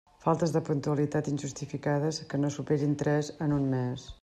Faltes de puntualitat, injustificades, que no superin tres en un mes.